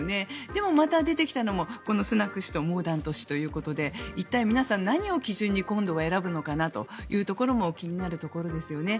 でもまた出てきたのもスナク氏とモーダント氏ということで一体、皆さん何を基準に今度は選ぶのかなというところも気になるところですよね。